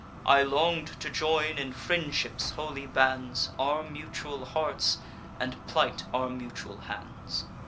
I long'd to join in friendship's holy bands Our mutual hearts, and plight our mutual hands.